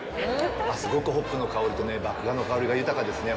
すごくホップの香りと麦芽の香りが豊かですね。